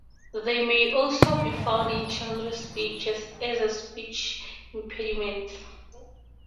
They may also be found in children's speech or as speech impediments.